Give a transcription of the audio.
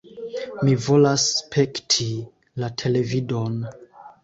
"Mi volas spekti la televidon!"